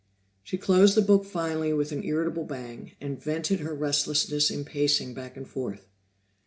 She closed the book finally with an irritable bang, and vented her restlessness in pacing back and forth.